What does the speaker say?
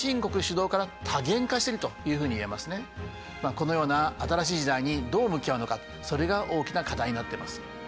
このような新しい時代にどう向き合うのかそれが大きな課題になってます。